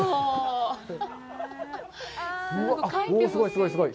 すごいすごい！